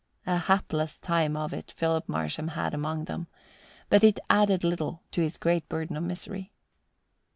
A hapless time of it Philip Marsham had among them, but it added little to his great burden of misery.